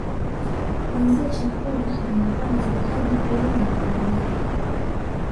Kuanzia chakula na mavazi hadi kuoa au kuolewa